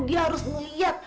dia harus ngeliat